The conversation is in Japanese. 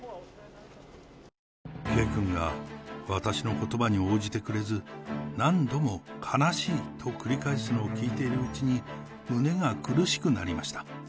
圭君が私のことばに応じてくれず、何度も悲しいと繰り返すのを聞いているうちに、胸が苦しくなりました。